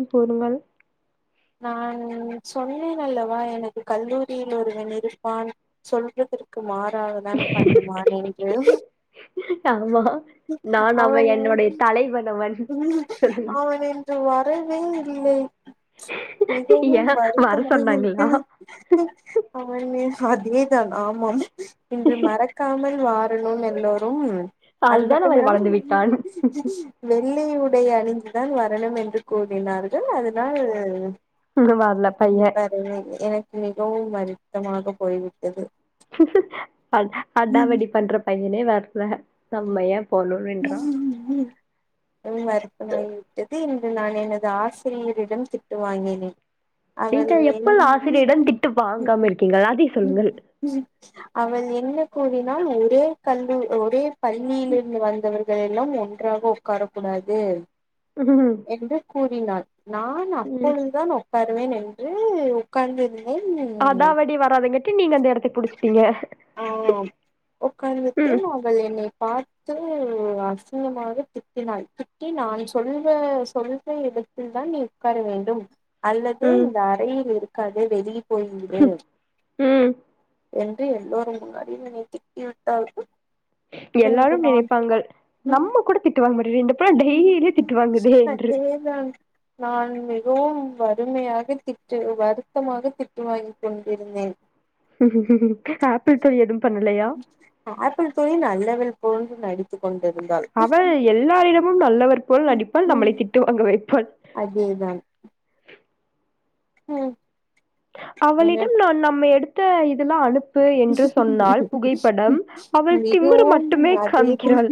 ம் பொறுங்கள் நான் சொன்னேன் அல்லவா எனக்கு கல்லூரியில் ஒருவன் இருப்பான் சொல்வதற்கு மாறாகதான் பண்ணுவான் என்று ஆமா நான் அவ அவன் என்னுடைய தலைவன் அவன் சொல்லுங்க அவன் இன்று வரவே இல்லை மிகவும் ஏன் வர வருத்தமாக சொன்னாங்களா இருக்கிறது ஆமா மிஸ் அதேதான் ஆமா ஆமா இன்று மறக் க்காமல் வாரணும்ன்னு எல்லோரும் அது அதுதான் மட்டும் அவன் இல்லாம வளர்ந்து விட்டான் வெள்ளி உடை அணிந்துதா வரணும் என்று கூறினார்கள் அதுனால் வரல பையன் [unintelligible] எனக்கு மிகவும் வருத்தமாக போய்விட்டது அடாவடி பண்ற பையனே வர்ல நம்ம ஏன் போனும் என்றா விட்டது இன்று நான் எனது ஆசிரியரிடம் திட்டு வாங்கினேன் அவள் நீங்க என் எப்ப ஆசிரியரிடம் திட்டு வாங்காம இருக்கீங்க அதை ம் சொல்லுங்க அவள் என்ன கூறினாள் ஒரே கல்லில் ஒரே பள்ளியில் இருந்து வந்தவர்கள் எல்லா ஒன்றாக உக்காரக் கூடாது உம் என்று கூறினாள் நான் அப்பொழுதுதான் உட்காருவேன் என்று உட்கார்ந்திருந் அதாவடி வராதங்கெட்டி நீங்க அந்த எடத்த புடிச்சுட்டீங்க ஆம் உக்காந்திட்டே நாம் ங்கள் என்னை பார்த்து அசிங்கமாக திட்டினாள் திட்டி நான் சொல்வே சொல் ல்ற இடத்தில் தான் நீ உக்கார வேண்டும் அல்லது ம் இந்த அறையில் இருக்காதே வெளி போய் விடு ம் என்று எல்லோரும் முன்னாடியும் என்னை திட்டி விட்டார்கள் எல்லாரும் நினைப்பாங்கள் நம்ம கூட திட்டுவாங்க முடியலியே இந்த புள்ள டெய்லியு திட்டுவாங்குதே என்று இதாங் நான் மிகவும் வறுமையாக திட்டு வருத்தமாக திட்டு வாங்கி கொண்டிருந்தேன் ஆப்பிள் தோழி எதுவும் பண்ணலையா ஆப்பிள் தோழி நல்லவள் போல் நடி கொண்டு இருந்தால் அவள் எல்லாரிடமும் நல்லவர் போல் நடிப்பாள் நம்மளை திட்டு வாங்க வைப்பாள் அதே தான் ன்ன அவளிடம் நான் நம்ம எடுத்த இதெல்லா அனுப் ப்பு என்று சொன்னால் புகைப்படம் அவள் திமுறு மிகவும் மட்டுமே அதேதான் காமிக்கிறாள்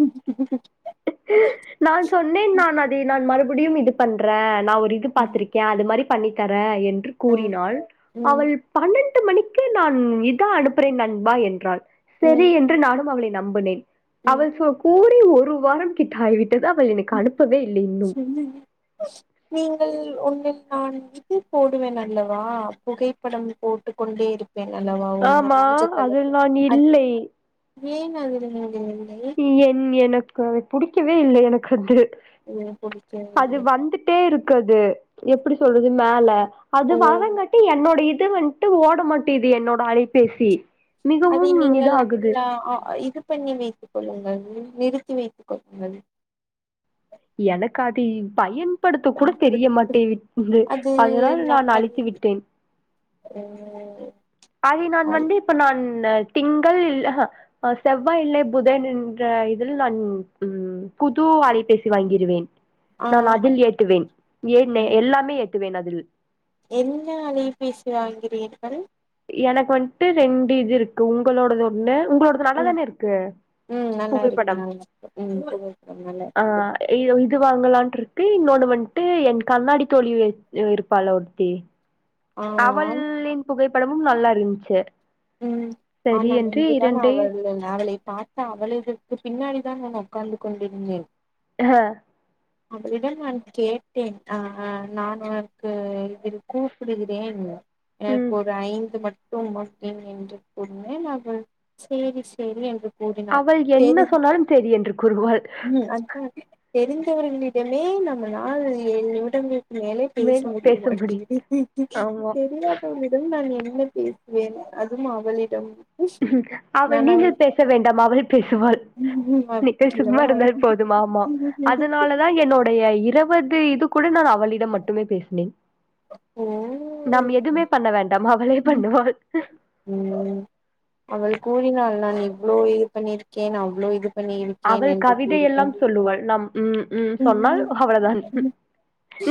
நான் சொன்னேன் நான் அதை நான் மறுபடியும் இது பண்றே நா ஒரு இது பாத்துருக் க்கே அது மாரி பண்ணி தரே என்று அ கூறினாள் ம் ம் அவள் பன்னெண்டு மணிக்கே நான் இதான் அனுப்புறேன் நண்பா என்றாள் செரி ம் என்று நானும் அவளை நம்புனேன் அவள் சொ கூ கூறி ஒரு வாரம் கிட்ட ஆகிவிட்டது அவள் எனக்கு அனுப் பவே இல்லிங் சொல்லுங்கள் நீங்கள் ஒண்ணு நான் இது போடுவேன் அல்லவா புகைப்படம் போட்டு கொண்டே இருக் என்னல்லவா ஒன்ன ஆமா, நெனச்சி அதில் நான் அது இல்லை. நீங்க [unintelligible] என் எனக்கு அதை புடிக்கவே இல்லை எனக்கு அது இது புடிக்கவில்லையா ட்டே இருக்கு அது எப்டி சொல்றது மேல அது ஓ வரங்காட்டி என்னோட இது வன்ட் ட்டு ஓட மாட்டேது என்னோட அலைபேசி அதை மிகவும் நீங்கள் இதாகுது யா ஆ இது பண்ணி வைத்துக் கொள்ளுங்கள் நிறுத்தி வைத்துக் கொள்ளுங்கள் எனக்கு அதில் பயன் படுத்த கூட தெரிய மாட்டேங்கிது அது அதுனால நான் அழித்து விட்டேன் என்ன ஏது அதை நான் வந்து இப்ப நான்னு திங்கள் அ ஆ செவ்வாய் இல்லே புதன் என்ற இதில் நான் ம் புது அலைபேசி வாங்கியிருவேன் ஆ நான் அதில் ஏத்துவேன் ஏன் ம் எல்லாமே ஏத்துவேன் அதில் என்ன அலை பேசி வாங்கினீர்கள் எனக்கு வன்ட்டு ரெண்டு இது இருக்கு உங்களோடது ஒண்ணு உங்களோடது இப்ப நல்ல ம் தானே இருக்கு ம் நல்லா இருக்கு புகைப்படம் நல்லா இருக்கு ம் புகைப்படம் நல்லா ஆ இருக்குது இ இது வாங்கலான்ட்ருக்கு இன்னொன்னு வன்ட்டு எங்க கண்ணாடி தோழி இரு இருப்பால்ல ஒருத்தி ஆமாம் அவளின் புகைப்படமும் நல்லா இருந்துச்சு ம் சரி ஆனா என்று இதுதான் இரண்டையு அவளின் அவளை பார் தா அவளுகளுக்கு பின்னாடிதான் நான் உக்காந்து கொண்டிருந்தேன் அஹ அவளிடம் நான் கேட்டேன் அ நான் உனக்கு இதில் கூப்பிடுகிறேன் எனக்கு ம் ஒரு ஐந்து மட்டும்மா ஏன் என்று சொன்னேன் அவள் செரி செரி என்று கூறினாள் அவள் என்ன தேவையா சொன்னாலும் சரி என்று கூறுவாள் ம் அத்தான் தெரிந்தவர்களிடமே நம்ம நாள் ஏழு நிமிடங்கள் இதுக்கு மேலே பேச மேல் முடியும் முடியமாட்டிங்கீது ஆமா தெரியா அவளிடம் நான் என்ன பேசுவேன் அதும் அவளிடம் அவள் நீங்கள் பேச வேண்டாம் அவளே பேசுவாள் ம் நிக்கள் அப்டியா சும்மா இருந்தாலே போதும் ஆமா அதுனால நா என்னுடைய இருவது இது கூட நான் அவளிடம் மட்டுமே பேசினேன் ஓ நாம் எதுமே பண்ண வேண்டாம் அவளே பண்ணுவாள் ம் அவள் கூறினாள் நான் இவ்ளோ இது பண்ணிருக்கேன் அவ்ளோ இது பண்ணியிருக்கேன் அவள் என்று கவிதை எல்லாம் சொல்லுவாள் நம் ம் ம் சொன்னால் அவ்ளோதான் கூறிக்கொண்டு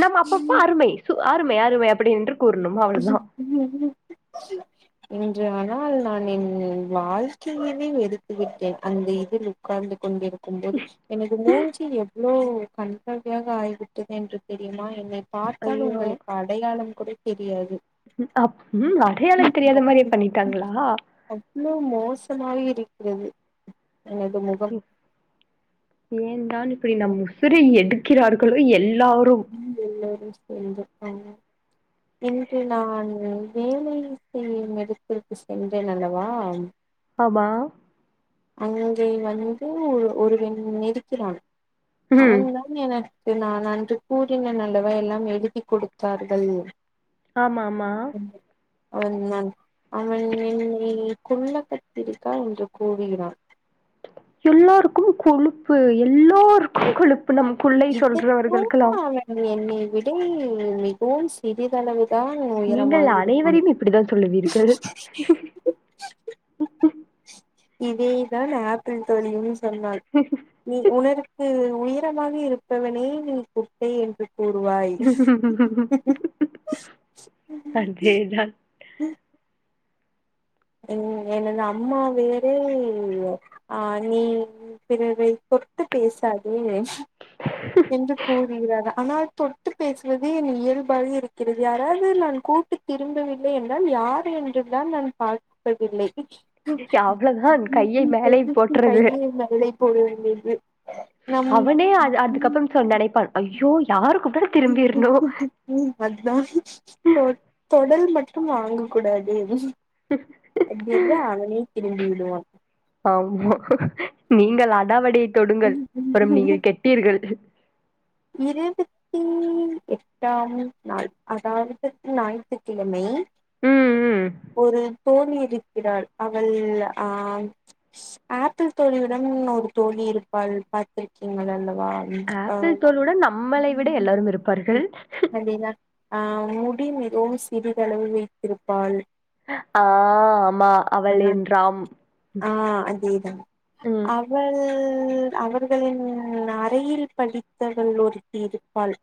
நம் அப்பப்ப அருமை சு அருமை அருமை அப்டி என்று கூறணும் அவ்ளோதா உம் உம் ச்சு ன்றான்னால் நான் என் வாழ்க்கைவே எடுத்துவிட்டேன் அந்த இதில் உட்கார்ந்து கொண்டிருக் க்கும் போது எனது மூஞ்சி எவ்ளோ கன்றாவியாக ஆகிவிட்டது என்று தெரியுமா என்னை பார்த்தால் ஐயோ! உங்களுக்கு அடையாளம் கூட தெரியாது ம் அப் உம் அடையாளம் தெரியாத மாதிரி பண்ணிட்டாங்களா அவ்ளோ மோசமாக இருக்கிறது எனது முகம் ஏந்தான் இப்படி நம் உசிர எடுக்கிறார்களோ எல்லாரும் எல்லோரும் [inaudible] இன்று நான்னு வேலை செய்யும் இடத்திற்கு சென்றேன் அல்லவா ஆமா அங்கே வந்து ஒருவன் இருக்கிறான் ம். அவன் தான் எனக்கு நான் அன்று கூறினேன் அல்லவா எல்லாம் எழுதி கொடுத்தார்கள் ஆமாம்மா அவன் நான் அவன் என்னை குள்ள கத்திரிக்கா என்று கூறு கிறான் எல்லாருக்கும் கொழுப்பு எல்லோருக்கும் கொழுப்பு நமக்குள்ளை இதற்கும் சொல்றவர்களுக்கெல்லாம் அவன் என்னை விட மிகவும் சிறிதளவு தான் நீங்கள் உயரமாய் இருக்கணு அனைவரையும் இப்படித்தான் சொல்வீர்கள் இதேதான் ஆப்பிள் தோழியும் சொன்னாள் நீ உனருக்கு உயரமாக இருப்பவனே நீ குட்டை என்று கூறுவாய் அதேதான் உம் எனது அம்மா வேறே ஆ நீ பிறரை தொட்டு பேசாதே என்று கூறுகிறாரா ஆனால் தொட்டு பேசுவதே என் இயல்பாக இருக்கிறது யாராவது நான் கூப்ட்டு திரும்பவில்லை என்றால் யார் என்றுதான் நான் பார்ப்பதில்லை யா அவ்ளோதான் கையை மேலே போட்டுறது ன்னல்லைத் போவேண்டிது அவனே அது அதுக்கப்பம் சொன் நனைப்பான் ஐயோ யாரு கூப்டாலு திரும்பிர்ணு ம் அதுதா தொடல் மட்டும் வாங்க கூடாது எப்டி எப்புட அவனே திரும்பி விடுவா ஆமா நீங்கள் அடாவடிய் தொடுங்கள் அப்புறம் நீங்கள் கெட்டீர்கள் இரெண்டு [unintelligible] எட்டாம் நாள் அதாவுது நாயித்துக்கிழமை ம், ம். ஒரு தோழி இருக்கிறாள் அவள் ஆ ஆப்பிள் தோழியுடன் ஒரு தோழி இருப்பாள் பாத்துருக்கீங்கல் அல்லவா ஆ ஆப்பிள் தோழியுடன் நம்மளை விட எல்லாரும் இருப்பார்கள் அடின்னா அ முடி மிகவும் சிறிதளவு வெய்த்திருப்பாள் ஆ, ஆமா. அவள் அதான் என்றாம். அ அதேதான் அ ம். அவள் அவர்களின் அறையில் படித்ததவல் ஒருத்தி இருப்பால்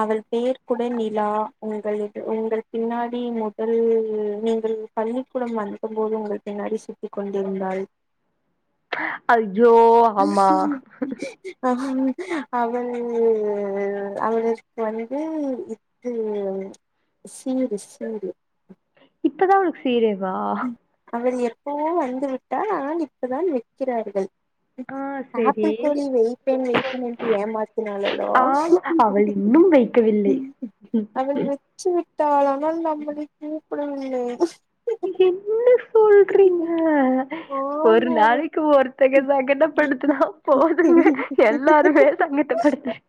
அவள் பெயர் கூட நிலா உங்கள் உங்கள் பின்னாடி முதல் நீங்கள் பள்ளிக்கூடம் வந்த போது உங்கள் பின்னாடி சுத்தி கொண்டிருந்தாள் அது ஜோ அவள் அவளுக்கு வந்து க்கு சீரு சீரு ப்பதா அவுளுக்கு சீரேவா அவள் எப்போஓ வந்துவிட்டால் ஆனால் இப்பதான் வெக்கிறார்கள் ஆ, சரி. ஆப்பிள் தோழி வெய்ப்பேன் வெய்ப்பேன் என்று ஏமாத்தினால் அல்லவா ஆமா. அவள் இன்னும் வெய்க்கவில்லை ச்சு வுட்டால் ஆனால் நம்பளை கூப்புடவில்லை என்ன ஆஹ ஒரு ஆமா நாளைக்கு ஒருத்தங்க சங்கடப்படுத்துனா போதுங்க எல்லாருமே சங்கட்டப்படுத்தர்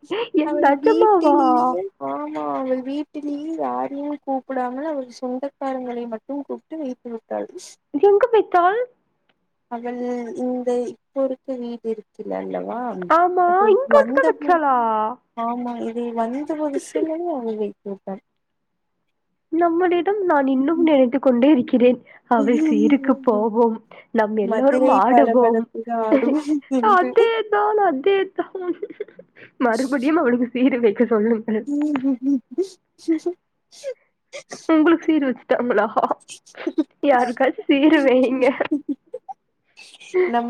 என் அவள் நஜ்ஜம்மாவா வீட்டிலேயே ஆமா அவள் வீட்டிலியே யாருயு கூப்புடாம அவள் சொந்தக்காரங்களை மட் டு கூப்ட்டு வீட்டில் விட்டாள் எங்க பெய்த்தால் அவள் இந்த இப்போ இருக்க வீடு இருக்குல் அல்லவா ஆமா அது இங்க வந்துத்தா வந்த போ வச்சாலா ஆமா இது வந்து வருஷல்ல ஆவுது இப்ப ப்ப நம்மளிடம் நான் இன்னும் நினைத்து கொண்டே இருக்கிறேன் அவ சீருக்கு ழபோவோம் நம் எல்லோரும் மதுரை ஆடுவோம் பளபளப்புக ஆடும் ட்டு என்று அதேத் நானு அதேத்தா மறுபுடியும் அவளுக்கு சீரு வெக்க சொல்லும் உம் உம் உம் உங்குளு சீரு வச்சிட்டாங்களா பா யாருக்காச்சு சீரு வைங்க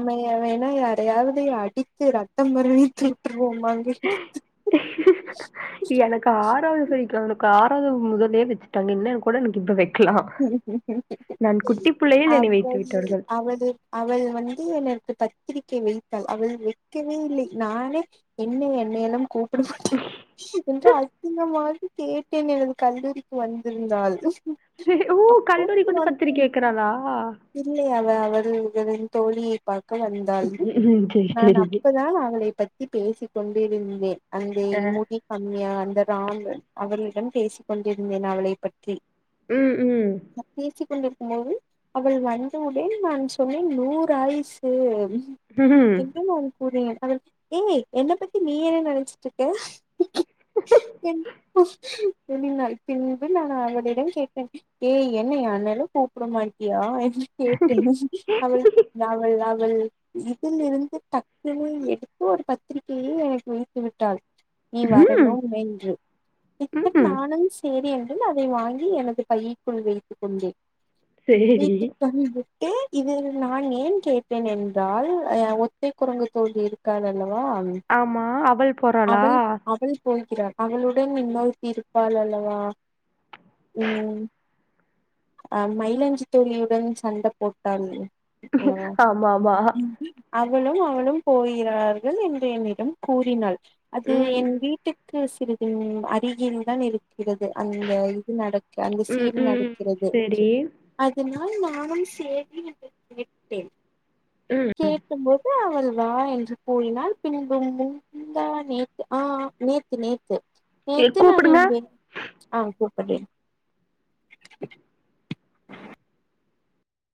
அவையன்னா யாரையாவது அடித்து ரத்தம் மறுவி தூத்துருவோமாங்கி எனக்கு ஆறாவது சைக்கிள் அவனுக்கு ஆறாவது முதலே வச்சுட்டாங்க என்னன்னு கூட எனக்கு இப்ப வக் பிள்ளையில் என்னை அவ் வைத்து அவ்வு விட்டார்கள் அவளு அவள் வந்து எனக்கு பத்திரிக்கை வைத்தாள் அவள் வைக்கவே இல்லை நானே என்ன என்னை எல்லாம் கூப்ட மாட்டே என்று அசிங்கமாக கேட்டேன் எனது கல்லூரிக்கு வந்திருந்தால் ஓ கல்லூரிக்கு வந்து பத்திரிக்கை வைக்குறாளா இல்லை அவ அவர்களின் தோழி பார்க்க வந்தாள் ம் சரி நான் சரி அப்பதான் அவளை பத்தி பேசிக் கொண்டு இருந்தேன் அந்த ஆ முடி கம்மியா அந்த ராம் அவர்களுடன் பேசி கொண்டிருந்தேன் அவளை பத்தி ம் ம் நா பேசிக்க கொண்டிருக்கும் போது அவள் வந்தவுடனே நான் சொன்னேன் நூறு ஆயிசு ம் இன்னும் அவ கூறினேன் அவள் ஏய் என்ன பத்தி நீ என்ன நெனைச்சிட்டு இருக்க என் எண்ணினால் பின்பு நான் அவளிடம் கேட் டேன் ஏய் என்ன ஏ ஆனாலு சாப்ப்ட மாட்டியா கேட்டேன் அவள் நாவல் நாவல் இதில் இருந்து டக்குன்னு எடுத்து ஒரு பத்திரிகையை எனக்கு வைத்து விட்டாள் நீ ம் வரணும்என்று ம் இப்ப ம் நானும் சேரி என்று அதை வாங்கி எனது பையிக்குள் வைத்துக் கொண்டேன் சேரி வைதுக்காங்க ஏ இது நான் ஏன் கேட்டேன் என்றால் ஆ ஒத்தை குரங்கு போல் இருக்காள் அல்லவா ஆமா அவள் போறாளா அவள் அவள் போகிறாள் அவளுடன் இன்னொருத்தி இருப்பாள் அல்லவா ம் ஆ மயிலாஞ்சி தோழியுடன் சண்ட போட்டாள் அல்லவா ஆமா ஆமா ம் அவளும் அவளும் போகிறார்கள் என்று என்னிடம் கூறினாள் அது ம் என் ம் வீட்டுக் கு சிறிது அருகில்தான் இருக்கிறது அந்த இது நடக்க ம் சீர் ம் நடக்கிறது சரி அதனால் நானும் சேரி என்று கேட்டேன் ம் கேட் கும் போது அவள் வா என்று கூறினால் பின்பு முந்தா நேத்து ஆ நேத்து நேத்து எ நேத்து நான் கூப்புடுங்க என்பேன் ஆ கூப்ட்றேன்